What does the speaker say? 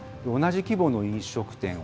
同じ規模の飲食店